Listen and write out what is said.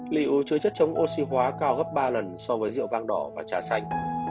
liệu chứa chất chống oxy hóa cao gấp ba lần so với rượu vang đỏ và trà xanh